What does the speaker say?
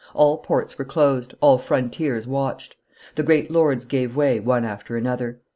All ports were closed, all frontiers watched. The great lords gave way, one after another.